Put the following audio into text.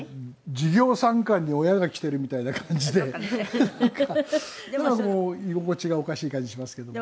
授業参観に親が来てるみたいな感じでなんかこう居心地がおかしい感じしますけども。